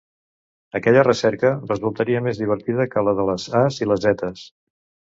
Aquella recerca resultaria més divertida que les de les as i les zetes.